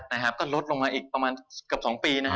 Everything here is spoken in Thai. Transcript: ซึ่งลดลงมาอีกประมาณกับ๒ปี